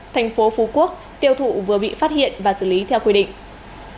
thành phố phú quốc tiêu thụ vừa bị phát hiện và xử lý theo quy định